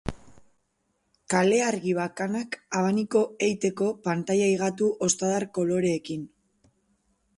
Kale-argi bakanak abaniko-eiteko pantaila higatu ostadar-koloreekin.